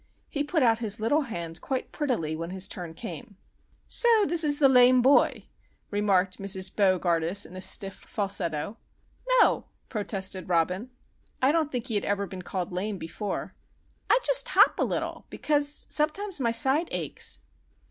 He put out his little hand quite prettily when his turn came. "So this is the lame boy?" remarked Mrs. Bo gardus, in a stiff falsetto. "No," protested Robin (I don't think he had ever been called lame, before), "I just hop a little, because sometimes my side aches."